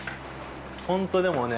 ホントでもね